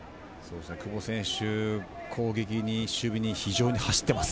久保選手、攻撃に守備に非常に走っています。